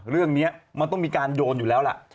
เรื่องนี้มันต้องมีการโยนอยู่แล้วล่ะ